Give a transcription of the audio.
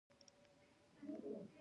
دوهم ډول علم ته د توحيد علم ويل کېږي .